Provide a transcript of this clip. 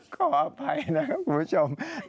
ขออภัยนะครับคุณผู้ชม